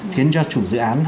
khiến cho chủ dự án